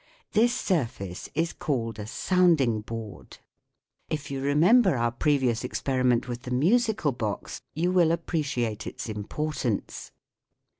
This surface is called a sounding board. If you remember our previous experiment with the musical box you will appreciate its importance.